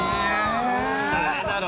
誰だろう？